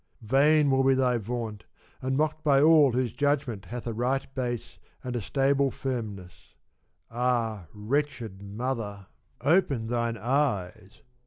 Vain will be thy vaunt, and mocked by all whose judgment hath a right base and a stable firmness. Ah wretched mother, open thine eyes